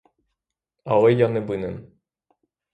Але я не винен.